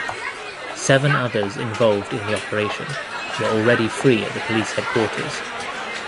Seven others involved in the operation were already free at the police headquarters.